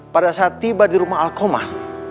pada saat tiba di rumah alkomah